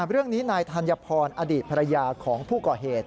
เรื่องนี้นายธัญพรอดีตภรรยาของผู้ก่อเหตุ